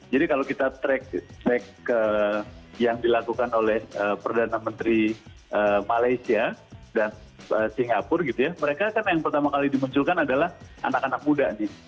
jadi kalau kita track yang dilakukan oleh perdana menteri malaysia dan singapura gitu ya mereka kan yang pertama kali dimunculkan adalah anak anak muda